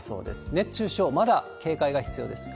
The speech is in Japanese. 熱中症、まだ警戒が必要です。